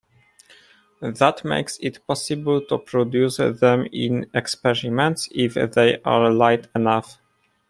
That makes it possible to produce them in experiments if they are light enough.